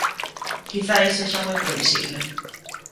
Quizais sexa moi previsible.